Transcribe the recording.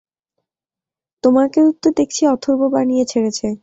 তোকে তো ও দেখছি অথর্ব বানিয়ে ছেড়েছে!